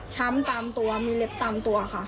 ตามตัวมีเล็บตามตัวค่ะ